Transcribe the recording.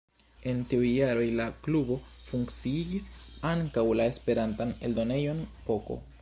En tiuj jaroj la klubo funkciigis ankaŭ la Esperantan eldonejon “Koko”.